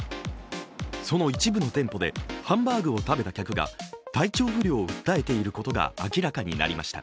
その一部の店舗でハンバーグを食べた客が体調不良を訴えていることが明らかになりました。